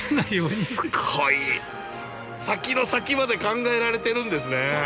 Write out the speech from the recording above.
先の先まで考えられてるんですね。